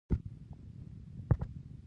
د شهیدانو څلور لارې په اسداباد ښار کې ده